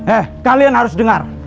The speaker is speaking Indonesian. eh kalian harus dengar